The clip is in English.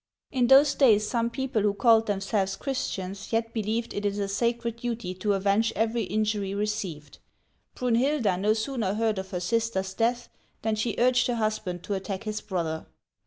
In those days, some people who called themselves Chris tians yet believed it a sacred duty to avenge every injury received. Brunhilda no sooner heard of her sister's death than she urged her husband to attack his brother.